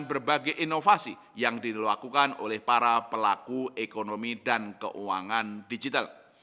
dan berbagai inovasi yang dilakukan oleh para pelaku ekonomi dan keuangan digital